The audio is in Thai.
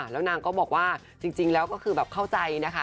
แล้วนางก็บอกว่าจริงแล้วก็คือแบบเข้าใจนะคะ